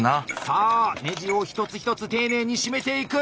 さあネジを一つ一つ丁寧に閉めていく。